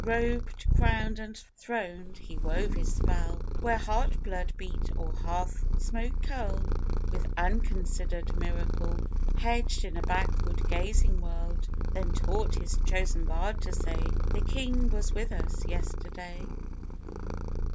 Robed, crowned and throned, he wove his spell, Where heart blood beat or hearth smoke curled, With unconsidered miracle, Hedged in a backward gazing world; Then taught his chosen bard to say: "The King was with us yesterday!"